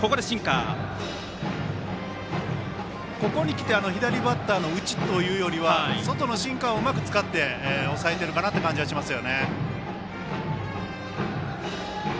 ここにきて左バッターの内というよりは外のシンカーをうまく使って抑えているかなという感じがします。